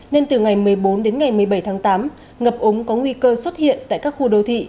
nên từ ngày một mươi bốn đến ngày một mươi bảy tháng tám ngập ống có nguy cơ xuất hiện tại các khu đô thị